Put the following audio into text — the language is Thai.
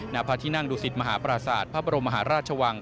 นาพาทินั่งดุสิตมหาประสาทพระบรมหาราชวัง